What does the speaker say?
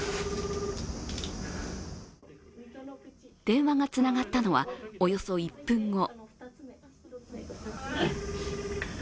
電話がつながったのは、およそ１分後。